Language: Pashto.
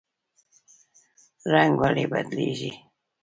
رنګ ولې بدلیږي؟